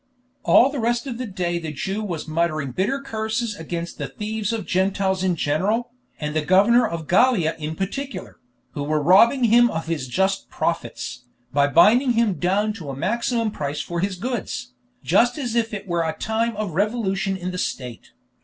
All the rest of the day the Jew was muttering bitter curses against the thieves of Gentiles in general, and the governor of Gallia in particular, who were robbing him of his just profits, by binding him down to a maximum price for his goods, just as if it were a time of revolution in the state.